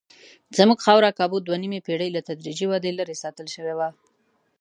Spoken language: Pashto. زموږ خاوره کابو دوه نیمې پېړۍ له تدریجي ودې لرې ساتل شوې وه.